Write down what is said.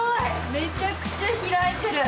めちゃくちゃ開いてる。